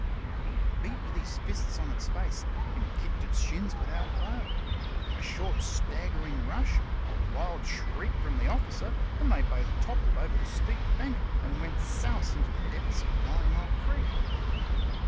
He beat with his fists on its face, and kicked its shins without avail. A short, staggering rush, a wild shriek from the officer, and they both toppled over the steep bank and went souse into the depths of Ninemile Creek.